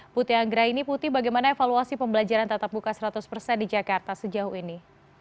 putih anggra ini putih bagaimana evaluasi pembelajaran tatap muka seratus persen di jakarta sejauh ini